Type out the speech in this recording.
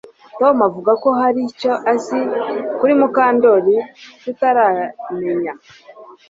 Tom avuga ko hari icyo azi kuri Mukandoli tutaramenya